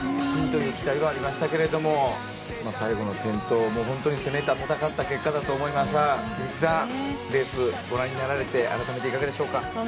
金という期待はありましたが最後の転倒も本当に攻めて戦った結果だと思いますが菊池さんレースをご覧になって改めていかがでしょうか。